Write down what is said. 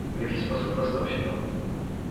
"W jaki sposób dostał się tam?"